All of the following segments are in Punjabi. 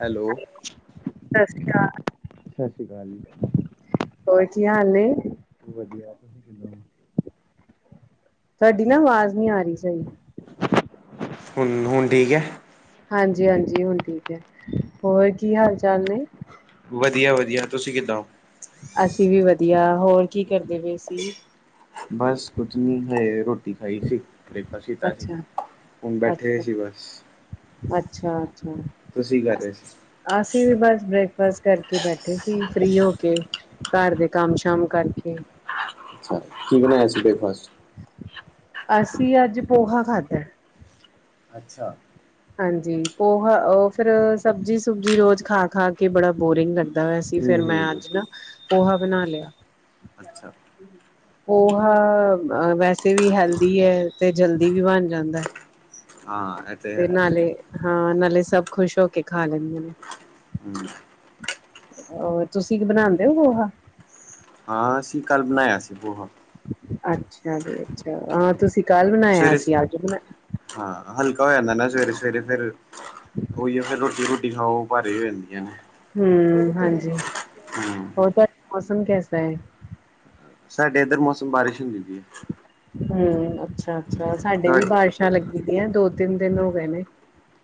ਹੈਲੋ ਸ਼੍ਰੀ ਅਕਾਲ, ਸਤਿ ਸ੍ਰੀ ਅਕਾਲ ਜੀ ਹੋਰ ਕੀ ਹਾਲ ਨੇ ਵਧੀਆ ਤੁਸੀਂ ਕਿੱਦਾਂ ਹੋ ਤੁਹਾਡੀ ਨਾ ਆਵਾਜ਼ ਨਹੀਂ ਆ ਰਹੀ ਸਹੀ ਹੁਣ ਹੁਣ ਠੀਕ ਹੈ। ਹਾਂਜੀ ਹਾਂਜੀ ਹੁਣ ਠੀਕ ਹੈ ਹੋਰ ਕੀ ਹਾਲ ਚਾਲ ਨੇ ਵਧੀਆ ਵਧੀਆ ਤੁਸੀਂ ਕਿੱਦਾਂ ਹੋ ਅਸੀਂ ਵੀ ਵਧੀਆ ਹੋਰ ਕੀ ਕਰਦੇ ਪਏ ਸੀ। ਬੱਸ ਕੁਝ ਨਹੀਂ ਹਜੇ ਰੋਟੀ ਰੋਟੀ ਖਾਈ ਸੀ ਬ੍ਰੇਕਫਾਸਟ ਕੀਤਾ ਸੀ ਹੁਣ ਬੈਠੇਏ ਸੀ ਬਸ ਅੱਛਾ, - ਅੱਛਾ। ਤੁਸੀਂ ਕਰ ਰਹੇ ਸੀ। ਅਸੀਂ ਵੀ ਬਸ ਬ੍ਰੇਕਫਾਸਟ ਕਰਕੇ ਬੈਠੇ ਸੀ ਫ੍ਰਰੀ ਹੋ ਕੇ। ਘਰ ਦੇ ਕੰਮ ਸ਼ਾਮ ਕਰਕੇ। ਅੱਛਾ ਬਣਾਇਆ ਸੀਗਾ ਬ੍ਰੇਕਫਾਸਟ ਅਸੀਂ ਅੱਜ ਪੋਹਾ ਖਾਧਾ। ਅੱਛਾ। ਹਾਂਜੀ ਪੋਹਾ ਫਿਰ ਸਬਜ਼ੀ ਸੁਬਜੀ ਰੋਜ਼ ਖਾ ਖਾ ਕੇ ਬੜਾ ਬੋਰਿੰਗ ਲੱਗਦਾ। ਲੱਗਦਾ ਪਿਆ ਸੀ ਫਿਰ ਹਮ ਮੈਂ ਹਮ ਅੱਜ ਨਾ ਪੋਹਾ ਬਣਾ ਲਿਆ ਅੱਛਾ। ਪੋਹਾ ਵੈਸੇ ਵੀ ਹੈਲਦੀ ਹੈ ਤੇ ਜਲਦੀ ਵੀ ਬਣ ਜਾਂਦਾ ਹੈ। ਹਾਂ ਇਹ ਤੇ ਹੈ ਨਾਲੇ, ਹਾਂ ਨਾਲੇ ਸਭ ਖੁਸ਼ ਹੋ ਕੇ ਖਾ ਲੈਂਦੇ ਨੇ। [inaudible] ਹੋਰ ਤੁਸੀਂ ਬਣਾਂਦੇ ਹੋ ਪੋਹਾ? ਹਾਂ ਅਸੀਂ ਕਾਲ ਬਣਾਯਾ ਸੀ ਪੋਹਾ। ਅੱਛਾ ਜੀ ਅੱਛਾ ਹਾਂ ਤੁਸੀਂ ਕੱਲ ਬਣਾਇਆ ਸੀ ਸਵੇਰੇ ਸਵੇ ਅਸੀ ਅੱਜ ਬਣਾਇਆ। ਹਾਂ ਹਲਕਾ ਹੋ ਜਾਂਦਾ ਨਾ ਸਵੇਰੇ ਸਵੇਰੇ ਫਿਰ ਓਹਿਯੋ ਫਿਰ ਰੋਟੀ ਰੁਟੀ ਖਾਓ ਭਾਰੀ ਹੋ ਜਾਂਦੀਆਂ ਨੇ। ਹੂੰ ਹਾਂਜੀ, ਹਮ ਹੋਰ ਮੌਸਮ ਕੈਸਾ ਹੈ? ਸਾਡੇ ਇੱਧਰ ਮੌਸਮ ਬਾਰਿਸ਼ ਹੁੰਦੀ ਪੀ ਏ। ਹੂੰ ਅੱਛਾ, ਅੱਛਾ ਸਾਡੇ ਵੀ ਤੁਹਾ ਬਾਰਿਸ਼ਾਂ ਲੱਗੀ ਦੀਆਂ ਦੋ ਤਿੰਨ ਦਿਨ ਹੋ ਗਏ ਨੇ।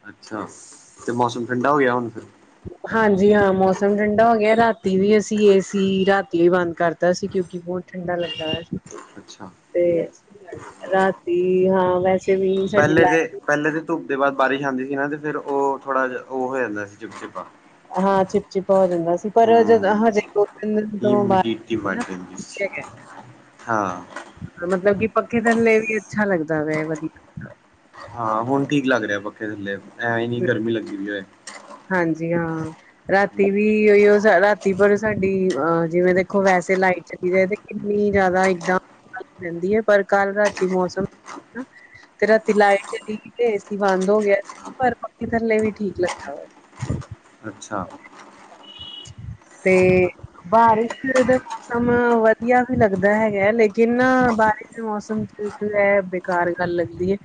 ਅੱਛਾ, ਤੇ ਮੌਸਮ ਠੰਡਾ ਹੋ ਗਿਆ ਹੁਣ ਫਿਰ? ਹਾਂਜੀ ਹਾਂ ਮੌਸਮ ਠੰਡਾ ਹੋ ਗਿਆ ਰਾਤੀ ਵੀ ਅਸੀਂ ਏਸੀ ਰਾਤੀ ਬੰਦ ਕਰਤਾ ਸੀ ਕਿਉਂਕਿ ਬਹੁਤ ਠੰਡਾ ਲੱਗਾ ਦਾ ਸੀ। ਅੱਛਾ ਤੇ, ਰਾਤੀ ਹਾਂ ਵੈਸੇ ਵੀ ਸਾਡੀ ਪਹਿਲੇ ਦੇ ਲਾਈਟ ਪਹਿਲੇ ਦੇ ਧੁਪ ਦੇ ਬਾਅਦ ਬਾਰਿਸ਼ ਆਂਦੀ ਸੀ ਨਾ ਤੇ ਫਿਰ ਉਹ ਥੋੜਾ ਜਾ ਉਹ ਹੋ ਜਾਂਦਾ ਚਿਪ ਚਿਪਾ। ਹਾਂ ਚਿਪ ਚਿਪਾ ਹੋ ਜਾਂਦਾ ਸੀ। ਪਰ ਜਦ ਹਮ ਹਜੇ ਦੋ ਤਿੰਨ ਦਿਨ ਤੋਂ ਹਿਮਿਡਿਟੀ ਵੱਧ ਜਾਂਦੀ ਸੀ ਹਾਂ [unintelligible] ਮਤਲਬ ਕਿ ਪੱਖੇ ਥੱਲੇ ਵੀ ਅੱਛਾ ਲੱਗਦਾ ਪਯਾ ਵਧੀਆ। ਹਾਂ ਹੁਣ ਠੀਕ ਲੱਗ ਰਿਹਾ ਪੱਖੇ ਥੱਲੇ ਐਵੇਂ ਨੀ ਗਰਮੀ ਲੱਗਦੀ ਪੀ ਅੱਜ। ਹਾਂਜੀ ਹਾਂ, ਰਾਤੀ ਵੀ ਕਈਂ ਵਾਰੀ ਉਹ ਰਾਤੀ ਭਰ ਸਾਡੀ ਅਹ ਜਿਵੇਂ ਦੇਖੋ ਵੈਸੇ ਲਾਈਟ ਚਲੀ ਜਾਏ ਤੇ ਕਿੰਨੀ ਜ਼ਿਆਦਾ ਇੱਕਦਮ ਜਾਂਦੀ ਹੈ। ਪਰ ਕੱਲ੍ਹ ਰਾਤੀ ਮੌਸਮ ਤੇ ਰਾਤੀ ਲਾਈਟ ਚਲੀ ਗਈ ਤੇ ਏਸੀ ਬੰਦ ਹੋ ਗਿਆ ਸੀ ਤੇ ਪਰ ਪੱਖੇ ਥੱਲੇ ਵੀ ਠੀਕ ਲੱਗਾ ਵਾ ਅੱਛਾ। [unintelligible] ਤੇ ਬਾਰਿਸ਼ ਦਾ ਮੌਸਮ ਵਧੀਆ ਵੀ ਲੱਗਦਾ ਹੈਗਾ, ਲੇਕਿਨ ਬਾਰਿਸ਼ ਦੇ ਮੌਸਮ ਚ ਇਹ ਬੇਕਾਰ ਗੱਲ ਲੱਗਦੀ ਏ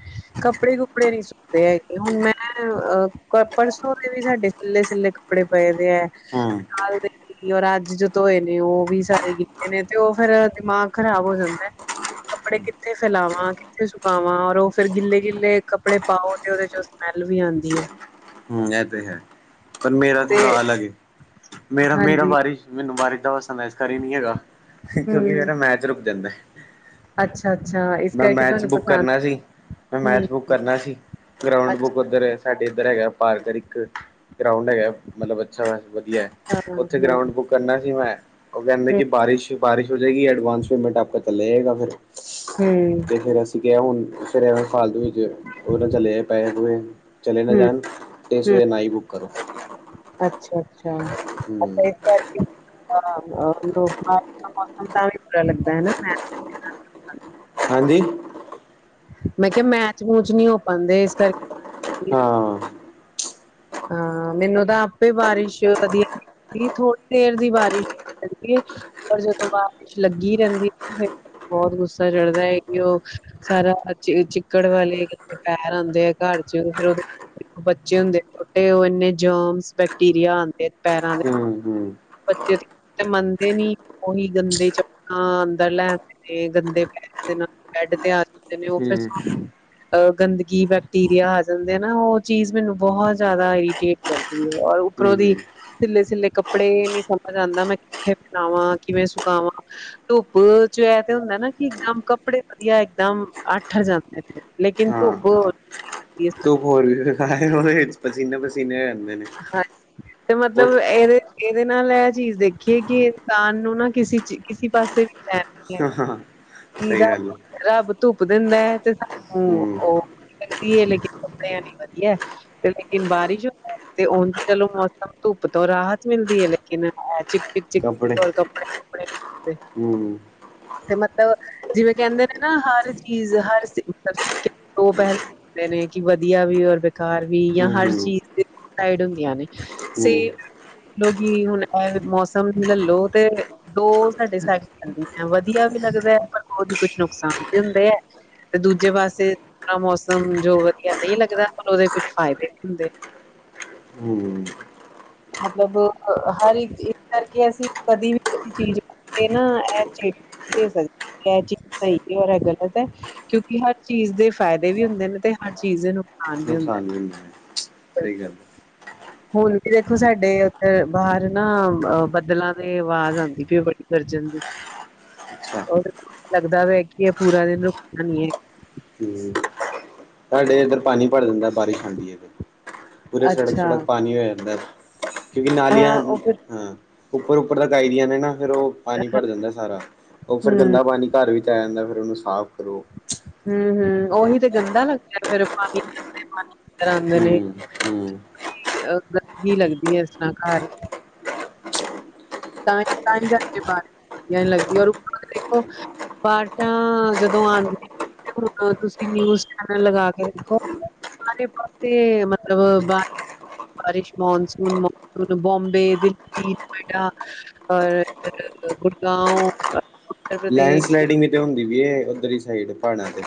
ਕੱਪੜੇ ਕੁਪੜੇ ਨੀ ਸੁਕ ਤੇ ਹੈਗੇ ਹੁਣ ਮੈਂ ਅਹ ਪਰਸੋਂ [unintelligible] ਵੀ ਸਾਡੇ ਸਿੱਲੇ ਸਿੱਲੇ ਕੱਪੜੇ ਪਏ ਦੇ ਹੈ ਹਮ ਨਾਲ ਦੇ ਔਰ ਅੱਜ ਜੋ ਧੋਏ ਨੇ ਉਹ ਵੀ ਸਾਰੇ ਕੀਤੇ ਨੇ ਤੇ ਉਹ ਫੇਰ ਦਿਮਾਗ ਖ਼ਰਾਬ ਹੋ ਜਾਂਦਾ। ਕੱਪੜੇ ਕਿੱਥੇ ਸਿਲਾਵਾਂਗੇ? ਕਿਥੇ ਸੁਕਾਵਾਂ ਔਰ ਉਹ ਫੇਰ ਗਿੱਲੇ ਗਿੱਲੇ ਕੱਪੜੇ ਪਾਓ ਤੇ ਉਹਦੇ ਚ ਸਮੈਲ ਵੀ ਆਉਂਦੀ ਹੈ। ਹਮ ਇਹ ਤੇ ਹੈ ਪਰ ਮੇਰਾ ਤੇ ਥੋੜਾ ਅਲੱਗ ਹੈ ਮੇਰਾ, ਮੇਰਾ ਹਾਂਜੀ ਬਾਰਿਸ਼ ਮੈਨੂੰ ਬਾਰਿਸ਼ ਦਾ [unintelligible] ਹੀ ਨਹੀਂ ਹੈਗਾ ਕਿਉਂਕਿ ਹਮ ਮੇਰਾ ਮੈਚ ਰੁਕ ਜਾਂਦਾ। ਅੱਛਾ, ਅੱਛਾ ਇਸ ਮੈਂ ਕਰਕੇ ਮੈਚ ਤੁਹਾਨੂੰ ਬੁੱਕ ਪਸੰਦ ਕਰਨਾ ਨੀ। ਸੀ ਮੈਂ ਮੈਚ ਬੁੱਕ ਕਰਨਾ ਸੀ ਗਰਾਊਂਡ ਬੁੱਕ ਅੱਛਾ ਉੱਧਰ ਸਾਡੇ ਇੱਧਰ ਹੈਗਾ ਪਾਰ ਇਦਰ ਅਕ ਗਰਾਂਉਡ ਹੈਗਾ ਮਤਲਬ ਅੱਛਾ ਵਧੀਆ ਹਾਂ ਹਾਂ ਉੱਥੇ ਗਰਾਉਂਡ ਹੂੰ ਬੁੱਕ ਕਰਨਾ ਸੀ ਮੈਂ ਉਹ ਕਹਿੰਦੇ ਕਿ ਬਾਰਿਸ਼- ਬਾਰਿਸ਼ ਹੋ ਜਾਏਗੀ, ਐਡਵਾਂਸ ਪੇਮੈਂਟ ਆਪਕਾ ਚਲਾ ਜਾਏਗਾ ਫਿਰ। ਹੂ। ਤੇ ਫਿਰ ਅਸੀਂ ਕਿਹਾ ਹੁਣ ਫਿਰ ਐਵੇਂ ਫਾਲਤੂ ਵਿੱਚ, ਉਹ ਚਲੇ ਨ ਜਾਨ ਪੈਸੇ ਪੁਸੇ ਓਹ ਚਲੇ ਨਾ ਹੂੰ ਜਾਣ। ਤੇ ਇਸ ਤੋਹ ਹੂੰ ਵਧੀਆ ਨਾ ਹੀ ਬੁੱਕ ਕਰੋ। ਅੱਛਾ- ਅੱਛਾ ਹਮ [unintelligible] [unintelligible] ਹਾਂਜੀ। ਮੈਂ ਕਿਹਾ ਮੈਚ- ਮੂਚ ਨਹੀਂ ਹੋ ਪਾਂਦੇ, ਇਸ ਕਰ ਹਾਂ। ਹਾਂ, ਮੈਨੂੰ ਤਾਂ ਆਪੇ ਬਾਰਿਸ਼ ਵਧੀਆ ਨੀ ਥੋੜੀ ਦੇਰ ਦੀ ਬਾਰਿਸ਼ ਪੈਂਦੀ ਏ ਪਰ ਜਦੋਂ ਬਾਰਿਸ਼ ਲੱਗੀ ਰਹਿੰਦੀ ਹੈ, ਬਹੁਤ ਗੁੱਸਾ ਚੜਦਾ ਹੈ ਕਿ ਉਹ ਸਾਰਾ ਅਚ-ਚਿੱਕੜ ਵਾਲੇ ਪੈਰ ਆਂਦੇ ਆ ਘੱਰ ਚ ਫਿਰ ਉਹਦੇ ਬੱਚੇ ਹੁੰਦੇ ਛੋਟੇ ਉਹ ਇੰਨੇ ਜਮਸ ਬੈਕਟੀਰੀਆ ਆਂਦੇ ਪੈਰਾਂ ਦੇ। ਹਮ ਹਮ ਬੱਚੇ ਤੇ ਮੰਨਦੇ ਨੀ, ਉਹੀ ਗੰਦੇ ਚੱਪਲਾਂ ਅੰਦਰ ਲੈ ਏ ਗੰਦੇ ਪੈਰ ਦੇ ਨਾਲ ਬੈਡ ਤੇ ਆ ਜਾਂਦੇ ਨੇ, ਉਹ ਫਿਰ ਹਮ ਗੰਦਗੀ ਬੈਕਟੀਰੀਆ ਆ ਜਾਂਦੇ ਏ ਨਾ ਉਹ ਚੀਜ਼ ਮੈਨੂੰ ਬਹੁਤ ਜ਼ਿਆਦਾ ਇਰੀਟੇਟ ਕਰਦੀ ਏ ਔਰ ਹੂੰ-ਹੂੰ। ਸਿੱਲੇ-ਸਿੱਲੇ ਕੱਪੜੇ ਨੀ ਸਮਝ ਆਦਾ ਮੈਂ ਕਿੱਥੇ ਫੈਲਾਵਾ ਮੈ ਕਿਵੇਂ ਸੁਕਾਾਵਾਂ ਧੁੱਪ ਚ ਇਹ ਤੇ ਹੁੰਦਾ ਨਾ ਕਿ ਇਕਦਮ ਕੱਪੜੇ ਵਧੀਆ, ਇਕਦਮ ਆੱਠਰ ਜਾਂਦੇ ਨੇ। ਲੇਕਿਨ ਧੂੱਪ ਹੋਰ ਧੂੱਪ ਹੋਰ ਵੀ ਵਿੱਚ ਪਸੀਨੋ- ਪਸੀਨੇ ਹੋ ਜਾਂਦੇ ਨੇ। ਤੇ ਉਹ ਮਤਲਬ ਇਹਦੇ ਇਹਦੇ ਨਾਲ ਇਹ ਚੀਜ਼ ਦੇਖੀ ਏ ਕਿ ਇਨਸਾਨ ਨੂੰ ਨਾ ਕਿਸੀ ਚੀਜ, ਕਿਸੀ ਪਾਸੇ ਵੀ ਚੈਣ ਨੀ ਹੈਗਾ ਹਾਂ ਮੀਰਾ ਸਹੀ ਗੱਲ ਹੈ ਰੱਬ ਧੁੱਪ ਦਿੰਦਾ ਐ, ਤੇ ਸਾਨੂੰ ਹਮ ਉਹ ਲੱਗਦੀ ਏ, ਲੇਕਿਨ ਕੱਪੜਿਆਂ ਲਈ ਵਧੀਆ। ਤੇ ਲੇਕਿਨ ਬਾਰਿਸ਼ ਤੇ ਚਲੋ ਊਂਂਜ ਮੌਸਮ ਧੁੱਪ ਤੋਂ ਰਾਹਤ। ਚਿਲਦੀ ਹੈ ਲੇਕਿਨ ਹੈ, ਕੱਪੜੇ ਚਿੱਕ-ਚਿੱਕ ਔਰ ਕਪੜੇ- ਕੁਪੜੇ ਨੀ ਸੁਕਦੇ। ਹਮ ਤੇ ਮਤਲਬ ਜਿਵੇਂ ਕਹਿੰਦੇ ਨੇ- ਨਾ ਹਰ ਚੀਜ਼, ਹਰ ਉਹ ਪਹਿਲ ਦੇ ਨੇ ਕਿ ਵਧੀਆ ਵੀ ਔਰ ਬੇਕਾਰ ਵੀ, ਯਾ ਹਮ ਹਰ ਹਮ ਚੀਜ਼ ਦੇਖੋ ਦੌ ਟਾਈਡ ਹੁੰਦੀਆਂ ਨੇ ਸੇ ਹਮ ਮਜ ਦੋ ਕਿ ਹੁਣ ਇਹ ਮੌਸਮ ਲਲੋ ਤੇ ਦੋ ਸਾਡੇ ਸਾਈਡ ਚਲਦਿਆਂ ਵਧੀਆ ਵੀ ਲੱਗਦਾ ਹੈ ਪਰ ਉਹ ਕੁੱਛ ਨੁਕਸਾਨ ਵੀ ਹੁੰਦੇ ਐ। ਤੇ ਦੂਜੇ ਪਾਸੇ ਮੌਸਮ ਜੋ ਵਧੀਆ ਨਹੀਂ ਲੱਗਦਾ ਉਹਦੇ ਕੁੱਛ ਫਾਇਦੇ ਵੀ ਹੁੰਦੇ। ਹੂੰ। ਮਤਲਬ ਹਰ ਇੱਕ ਇਸ ਕਰਕੇ ਅਸੀਂ ਕਦੀ ਵੀ ਕੀ ਚੀਜ਼ ਇਹ ਨਾ, ਏਹ ਚੀਜ਼ ਸਹੀ ਔਰ ਇਹ ਗਲਤ ਹੈ। ਕਿਉਂਕਿ ਹਰ ਚੀਜ਼ ਦੇ ਫਾਇਦੇ ਵੀ ਹੁੰਦੇ ਨੇ, ਤੇ ਹਰ ਚੀਜ਼ ਦੇ ਨੁਕ ਸਾਨ ਵੀ ਹੁੰਦੇ, ਨੁਕਸਾਨ ਹੁੰਦਾ ਹੈ ਨੇ ਸਹੀ ਬਿਲਕੁੱਲ ਗੱਲ ਹੈ ਹੋਰ ਦੇਖੋ, ਸਾਡੇ ਉੱਧਰ ਬਾਹਰ ਨਾ ਅ ਬੱਦਲਾਂ ਦੀ ਆਵਾਜ਼ ਆਂਦੀ ਪਈ ਬੜੀ ਗਰਜਨ ਦੀ। [inaudible] ਔਰ ਲੱਗਦਾ ਪਿਆ ਕਿ ਇਹ ਪੂਰਾ ਦਿਨ ਰੁਕਣਾ ਨੀ ਏ। ਹਮ ਸਾਡੇ ਇੱਧਰ ਪਾਣੀ ਭਰ ਜਾਂਦਾ ਬਾਰਿਸ਼ ਆਂਦੀ ਏਈ ਤੇ ਪੂਰੇ ਸੜਕ- ਅੱਛਾ। ਸੜਕ ਪਾਣੀ ਹੋ ਜਾਂਦਾ। ਕਿਉਂਕਿ ਨਾਲੀਆਂ ਹਾਂ ਉਹ ਫਿਰ ਹਾਂ ਉੱਪਰ- ਉੱਪਰ ਤੱਕ ਆਈਆਂ ਦੀਆਂ ਨੇ ਨਾ ਫੇਰ ਓ ਪਾਣੀ ਭਰ ਜਾਂਦਾ ਏ ਸਾਰਾ, ਉਹ ਫਿਰ ਹੂੰ। ਗੰਦਾ ਪਾਣੀ ਘੱਰ ਵਿੱਚ ਆ ਜਾਂਦਾ ਏ ਫੇਰ ਉਹਨੂੰ ਸਾਫ਼ ਕਰੋ। ਹੂੰ-ਹੂੰ ਉਹੀ ਤੇ ਗੰਦਾ ਲੱਗਦਾ ਫੇਰ, ਪਾਣੀ ਗੰਦੇ ਪਾਣੀ। ਆਂਦੇ ਨੇ ਹਮ ਹਮ ਅ ਗੰਦਗੀ ਲੱਗਦੀ ਹੈ ਇਸਰ੍ਹਾਂ ਘੱਰ ਤਾਂ ਹੀ, ਤਾਂ ਹੀ ਘਰ ਚ ਬਾਰਿਸ਼ ਵਧਿਆਂ ਨੀ ਲੱਗਦੀ ਔਰ ਉਪਰੋ ਦੇਖੋ ਬਾਰਿਸ਼ਾ ਜਦੋਂ ਆਂਦੀਆਂ ਨੇ ਹੁਣ ਤੁਸੀਂ ਨਿਊਜ਼ ਚੈਨਲ ਲਗਾ ਕੇ ਦੇਖੋ। ਸਾਰੇ ਪਾਸੇ, ਮਤਲਬ ਬਾਰਿ- ਬਾਰਿਸ਼ ਮੋਨਸੂਨ ਬੋਮਬੇ, ਦਿੱਲੀ, ਨੋਇਡਾ ਪਰ [unintelligible] ਗੁੜਗਾਓ [inaudible] ਲੈਡੰ ਸਲਾਇਡਿੰਗ ਵੀ ਤੇ ਹੁੰਦੀ ਪਇਏ। ਓੱਧਰ ਦੀ ਸਾਈਡ ਪਾੜਾ ਤੇ।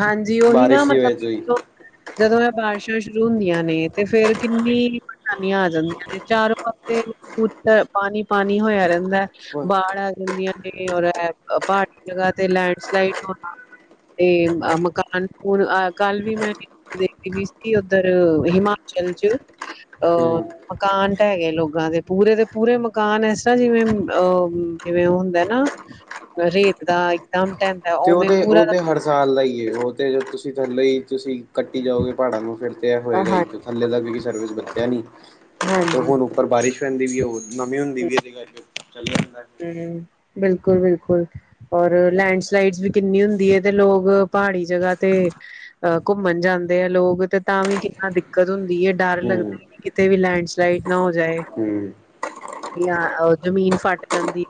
ਹਾਂਜੀ, ਉਹੀ ਨਾ ਬਾਰਿਸ਼ ਦੀ ਵਜ੍ਹਾ ਮਤਲਬ [inaudible] ਜਦੋਂ ਐ ਬਾਰਸ਼ਾਂ ਸ਼ੁਰੂ ਹੁੰਦੀਆਂ ਨੇ, ਤੇ ਫੇਰ ਕਿੰਨੀ ਪਰੇਸ਼ਾਨੀਆਂ ਆ ਜਾਂਦੀਆਂ ਨੇ ਚਾਰੋ ਪਾ ਤੇ [unintelligible] ਪਾਣੀ-ਪਾਣੀ ਹੋਇਆ ਰਹਿੰਦਾ। ਬਾੜ ਆ ਜਾਂਦੀਆਂ ਨੇ, ਔਰ ਪਾੜੀ ਜਗ੍ਹਾ ਤੇ ਲੈਂਡਸਲਾਈਡ ਹੋਨਾ। ਤੇ ਮਕਾਨ-ਮਕੂਨ ਅ, ਕੱਲ ਵੀ ਮੈਂ ਦੇਖੀ ਵੀ ਸੀ, ਉੱਧਰ ਹਿਮਾਚਲ ਚ‌ ਅ ਹਮ ਮਕਾਨ ਟੈ ਗੇ ਲੋਗਾਂ ਦੇ, ਪੂਰੇ ਦੇ ਪੂਰੇ ਮਕਾਨ। ਏਸ ਤਰ੍ਹਾਂ, ਜਿਵੇਂ ਔ ਜਿਵੇਂ ਉਹ ਹੁੰਦਾ ਨਾ ਰੇਤ ਦਾ ਇੱਕਦਮ ਟੈ ਤੇ ਔਹ ਤੇ, ਔਹ ਤੇ, ਹਰ ਸਾਲ ਦਾ ਈ ਏ, ਔ ਤੇ ਜੇ ਤੁਸੀਂ ਥੱਲੇ ਈ ਤੁਸੀਂ ਕੱਟੀ ਜਾਓਗੇ, ਪਾੜਾਂ ਨੂੰ ਫੇਰ ਤੇ ਐ ਹੋਏਗਾ ਈ, ਹਾਂ ਥੱਲੇ ਦਾ ਕਿਉਂ ਸਰਵਿਸ ਦੱਸਿਆ ਨੀ, ਤੇ ਹਾਂਜੀ ਹੁਣ ਉੱਪਰ ਬਾਰਿਸ਼ ਪੈਂਦੀ ਵੀ ਏ, ਹੋਰ ਨਵੀ ਹੁੰਦੀ ਵੀ ਔ, ਚੱਲਿਆ ਜਾਂਦਾ। ਹੂੰ, ਬਿਲਕੁਲ-ਬਿਲਕੁਲ। ਔਰ ਲੈਂਡਸਲਾਈਡਸ ਵੀ ਕਿੰਨੀ ਹੁੰਦੀ ਏ, ਤੇ ਲੋਕ ਪਹਾੜੀ ਜਗ੍ਹਾਂ ਤੇ ਅ ਘੁੰਮਣ ਜਾਂਦੇ ਐ ਲੋਕ, ਤੇ ਤਾਂ ਵੀ ਕਿੰਨਾ ਦਿੱਕਤ ਹੁੰਦੀ ਏ, ਡਰ ਹੂੰ ਲੱਗਦਾ ਏ। ਕਿਤੇ ਵੀ ਲੈਂਡਸਲਾਈਡ ਨਾ ਹੋ ਜਾਏ, ਹੂੰ ਯਾ ਜ਼ਮੀਨ ਫਟ ਜਾਂਦੀ।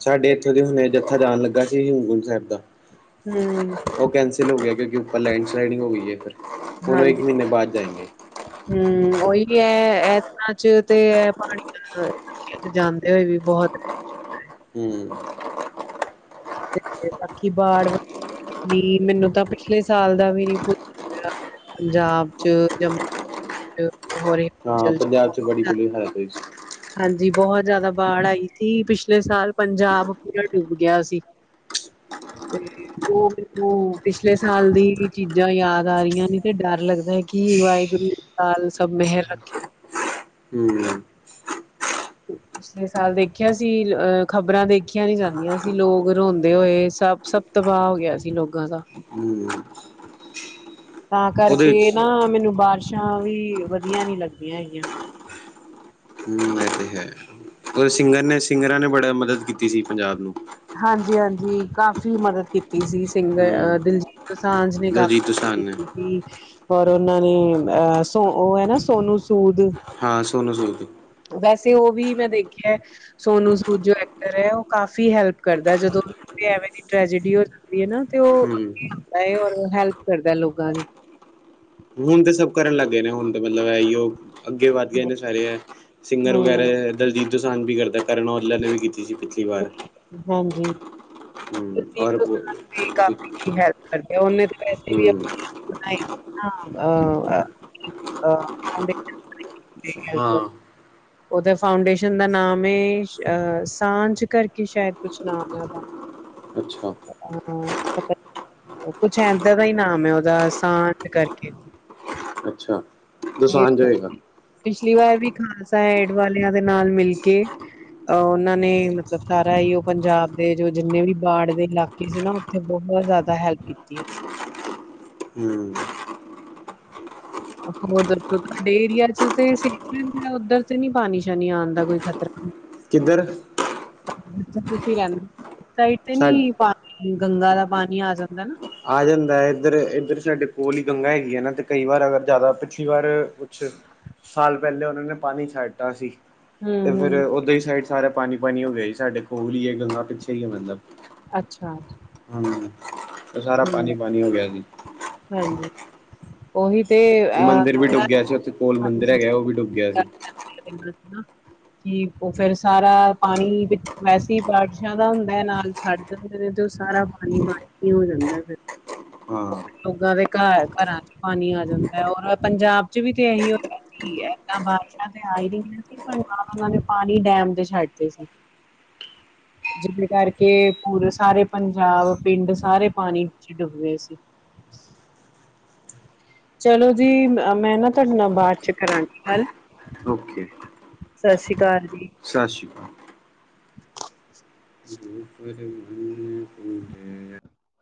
ਸਾਡੇ ਏਥੋਂ ਦੇ ਹੁਣੇ ਜੱਥਾ ਜਾਣ ਲੱਗਾ ਸੀ, ਹੇਮਕੁੰਟ ਸੈਬ ਦਾ। ਹੂੰ, ਔਹ ਕੈਂਸਲ ਹੋ ਗਿਆ, ਕਿਉਂਕਿ ਉੱਪਰ ਲੈਂਡ ਸਲਾਈਡਿੰਗ ਹੋ ਗਈ ਏ, ਫਿਰ ਹੁਨ ਔਹ ਇੱਕ ਹਾਂਜੀ। ਮਹੀਨੇ ਬਾਅਦ ਜਾਏਂਗੇ। ਹੂੰ, ਔਹੀ ਕੀ ਐ, ਅੱਜ ਚ ਤੇ ਐ ਪਾਣੀ ਚ ਖੇਤ ਜਾਂਦੇ ਹੋਏ ਵੀ ਬਹੁਤ ਹੂੰ, ਬਾਕੀ ਬਾੜ ਵਗੈਰਾ ਕਿੰਨੀ, ਮੈਨੂੰ ਤਾਂ ਪਿਛਲੇ ਸਾਲ ਦਾ ਵੀ ਨੀ ਭੁੱਲ ਰਿਆ। ਪੰਜਾਬ ਚ, ਜੰਮੂ ਚ ਹੋ ਰੇ। ਹਾਂ, ਪੰਜਾਬ ਚ ਬੜੀ ਬੁਲੀ ਹਾਲਤ ਹੋਈ ਸੀ। ਹਾਂਜੀ, ਬੋਤ ਜ਼ਾਦਾ ਬਾੜ ਆਈ ਥੀ, ਪਿਛਲੇ ਸਾਲ ਪੰਜਾਬ ਪੂਰਾ ਡੁੱਬ ਗਿਆ ਸੀ। [inaudible] [inaudible] ਪਿਛਲੇ ਸਾਲ ਦੀ ਚੀਜ਼ਾਂ ਯਾਦ ਆ ਰਈਆਂ ਨੇ, ਤੇ ਡਰ ਲੱਗਦਾ ਕੀ ਵਾਏਗੁਰੂ ਸਾਲ ਸਭ ਮੇਹਰ ਰੱਖੇ। ਹੂੰ। [inaudible] ਪਿਛਲੇ ਸਾਲ ਦੇਖਿਆ ਸੀ, ਅ ਖ਼ਬਰਾਂ ਦੇਖੀਆਂ ਨੀ ਜਾਂਦੀਆਂ ਸੀ, ਲੋਕ ਰੋਂਦੇ ਹੋਏ, ਸਭ-ਸਭ ਤਬਾਹ ਹੋ ਗਿਆ ਸੀ, ਲੋਗਾਂ ਦਾ। ਹੂੰ। ਤਾਂ ਉਹਦੇ ਕਰਕੇ ਵਿੱਚ ਨਾ, ਮੈਨੂੰ ਬਾਰਸ਼ਾਂ ਵੀ ਵਧੀਆ ਨੀ ਲੱਗਦੀਆਂ ਹੈਗੀਆਂ। ਹੂੰ, ਇਹ ਤੇ ਹੈ। ਕੁੁਝ ਸਿੰਗਰ ਨੇ, ਸਿੰਗਰਾਂ ਨੇ ਬੜਾ ਮਦਦ ਕੀਤੀ ਸੀ, ਪੰਜਾਬ ਨੂੰ। ਹਾਂਜੀ-ਹਾਂਜੀ, ਕਾਫ਼ੀ ਮਦਦ ਕੀਤੀ ਸੀ, ਹੂੰ ਸਿੰਗਰ ਦਿਲਜੀਤ ਦੋਸਾਂਝ ਨੇ ਦਲਜੀਤ ਦੋਸਾਂਝ ਕਾਫ਼ੀ ਨੇ ਕੀਤੀ। ਹੋਰ ਉਹਨਾਂ ਨੇ, ਅ ਸੋ ਔ ਹੈ ਨਾ, ਸੋਨੂੰ ਸੂਦ। ਹਾਂ, ਸੋਨੂੰ ਸੂਦ ਦੀ। ਵੈਸੇ ਉਹ ਵੀ ਮੈਂ ਦੇਖਿਆ ਸੋਨੂੰ ਸੂਦ, ਜੋ ਐਕਟਰ ਐ, ਉਹ ਕਾਫ਼ੀ ਹੈਲਪ ਕਰਦਾ, ਜਦੋਂ ਵੀ ਐਵੇਂ ਦੀ ਟ੍ਰੈਜਡੀ ਹੋ ਜਾਂਦੀ ਏ ਨਾ, ਤੇ ਉਹ ਹੂੰ ਅੱਗੇ ਆਂਦਾ, ਔਰ ਹੈਲਪ ਕਰਦਾ ਲੋਗਾਂ ਦੀ। ਹੁਣ ਤੇ ਸਭ ਕਰਨ ਲੱਗ ਗਏ ਨੇ, ਹੁਣ ਤੇ ਮਤਲਬ ਐਈਓ ਅੱਗੇ ਵੱਧ ਗਏ ਨੇ ਸਾਰੇ ਸਿੰਗਰ ਵਗੈਰਾ, ਹੂੰ ਦਲਜੀਤ ਦੋਸਾਂਝ ਵੀ ਕਰਦਾ, ਕਰਨ ਔਜਲਾ ਨੇ ਵੀ ਕੀਤੀ ਸੀ ਪਿੱਛੇ। ਹਾਂਜੀ। ਹੂੰ ਦਿਲਜੀਤ ਔਰ ਦੁਸਾਂਝ ਵੀ ਹੂੰ ਕਾਫੀ ਹੈਲਪ ਕਰਦੇ ਆ, ਉਹਨੇ ਤੇ ਵੈਸੇ ਵੀ ਆਪਣੀ ਅਹ ਅ ਆਂਦੇ ਅ [inaudible] ਕਿਤੀ ਹੈਲਪ, ਹਾਂ ਉਹਦੇ ਫਾਊਂਡੇਸ਼ਨ ਦਾ ਨਾਮ ਏ ਸਾਂਝ ਕਰਕੇ ਸ਼ਾਇਦ ਕੁਛ ਨਾ ਹੋਇਆ ਵਾ, ਅੱਛਾ ਹਾਂ ਉਹਦਾ ਪਤਾ ਕੁਛ ਏਦਾਂ ਦਾ ਹੀ ਨਾਮ ਐ ਉਹਦਾ, ਸਾਂਝ ਕਰਕੇ। ਅੱਛਾ। ਤੇ ਦੋਸਾਂਝ ਹੋਏਗਾ ਪਿਛਲੀ ਵਾਰ ਵੀ ਖਾਲਸਾ ਐਡ ਵਾਲਿਆਂ ਦੇ ਨਾਲ ਮਿਲ ਕੇ ਉਹਨਾਂ ਨੇ ਮਤਲਬ ਸਾਰਾ ਹੀ ਉਹ ਪੰਜਾਬ ਦੇ, ਜੋ ਜਿੰਨੇ ਵੀ ਬਾੜ ਦੇ ਇਲਾਕੇ ਕੇ ਸੀ ਨਾ, ਉੱਥੇ ਬਹੁਤ ਜ਼ਾਦਾ ਹੈਲਪ ਕੀਤੀ ਐ। ਹੂੰ, ਹੋਰ ਦੱਸੋ ਤੁਹਾਡੇ ਏਰੀਆ ਚ ਤੇ ਸੇਫ ਏ, ਉੱਧਰ ਤੇ ਨੀ ਪਾਣੀ ਸ਼ਾਣੀ ਆਣ ਦਾ ਕੋਈ ਖ਼ਤਰਾ। ਕਿੱਧਰ? ਸਾ [unintelligible] ਗੰਗਾ ਦਾ ਪਾਣੀ ਆ ਜਾਂਦਾ ਨਾ। ਆ ਜਾਂਦਾ ਹੈ ਇੱਧਰ ਇੱਧਰ ਸਾਡੇ ਕੋਲ ਹੀ ਗੰਗਾ ਹੈਗੀ ਹੈ ਨਾ ਤੇ ਕਈ ਵਾਰ ਅਗਰ ਜ਼ਿਆਦਾ ਪਿਛਲੀ ਵਾਰ ਕੁਛ ਸਾਲ ਪਹਿਲੇ ਔਨਾਂ ਨੇ ਪਾਣੀ ਛੱਡਤਾ ਸੀ। ਹੂੰ ਤੇ ਫਿਰ ਹੂੰ ਔਦਾਂ ਈ ਸਾਈਡ ਸਾਰਾ ਪਾਣੀ-ਪਾਣੀ ਹੋ ਗਿਆ ਸੀ। ਸਾਡੇ ਕੋਲ ਈ ਐ ਗੰਗਾ ਪਿੱਛੇ ਈ ਐ, ਮਤਲਬ ਅੱਛਾ। ਹਾਂਜੀ ਤੇ ਸਾਰਾ ਹੂੰ, ਪਾਣੀ-ਪਾਣੀ ਹੋ ਗਿਆ ਸੀ। ਹਾਂਜੀ। ਉਹੀ ਤੇ ਅ ਮੰਦਰ ਵੀ ਡੁੱਬਿਆ ਸੀ ਉੱਥੇ ਕੋਲ ਮੰਦਿਰ ਹੈਗਾ ਉਹ ਵੀ ਡੁੱਬਿਆ ਸੀ। [unintelligible] ਕਿ ਉਹ ਫਿਰ ਸਾਰਾ ਪਾਣੀ ਵੈਸੇ ਹੀ ਬਾਰਿਸ਼ਾਂ ਦਾ ਹੁੰਦਾ ਨਾਲ ਛੱਡ ਦਿੰਦੇ ਨੇ ਤੇ ਉਹ ਸਾਰਾ ਪਾਣੀ-ਪਾਣੀ ਹੋ ਜਾਂਦਾ ਫਿਰ ਹਾਂ ਲੋਕਾਂ ਦੇ ਘਰ-ਘਰਾਂ ਚ ਪਾਣੀ ਆ ਜਾਂਦਾ ਹੈ ਔਰ ਪੰਜਾਬ ਚ ਵੀ ਤੇ ਇਹੀ ਹੋਇਆ ਕਿ ਏਹ ਬਾਰਿਸ਼ਾਂ ਤੇ ਆ ਹੀ ਰਹੀਆਂ। ਪਰ ਨਾਲ ਉਹਨਾਂ ਨੇ ਪਾਣੀ ਟਾਈਮ ਤੇ ਛੱਡ ਦੇ ਸੀ। [inaudible] ਜਿਹਦੇ ਕਰਕੇ ਪੂਰੇ ਸਾਰੇ ਪੰਜਾਬ ਪਿੰਡ ਸਾਰੇ ਪਾਣੀ ਵਿੱਚ ਡੁੱਬਦੇ ਸੀ। [unintelligible] ਚਲੋ ਜੀ ਮੈਂ ਨਾ ਤੁਹਾਡੇ ਨਾਲ ਬਾਅਦ ਚ ਕਰਾਂਗੀ ਗੱਲ ਓਕੇ। ਸਤਿ ਸ੍ਰੀ ਅਕਾਲ ਜੀ। ਸਤਿ ਸ਼੍ਰੀ [inaudible] [unintelligible]